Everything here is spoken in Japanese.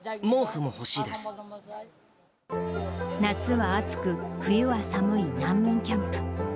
夏は暑く、冬は寒い難民キャンプ。